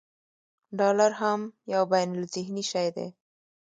ډالر هم یو بینالذهني شی دی.